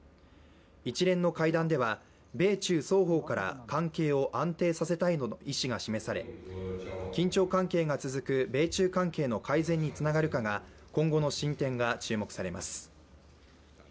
一連の会談では米中双方から関係を安定させたいとの意思が示され緊張関係が続く米中関係の改善につながるか今後の進展が注目されます。